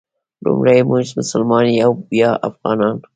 لومړی مونږ مسلمانان یو بیا افغانان.